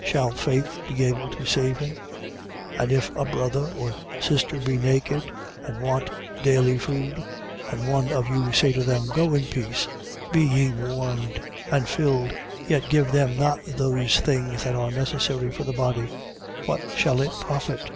Shall faith be able to save him? 2:15. And if a brother or sister be naked and want daily food: 2:16. And one of you say to them: Go in peace, be ye warmed and filled; yet give them not those things that are necessary for the body, what shall it profit?